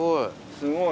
すごい。